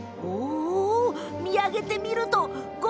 見上げてみるとおお！